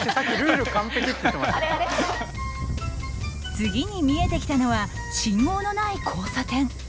次に見えてきたのは信号のない交差点。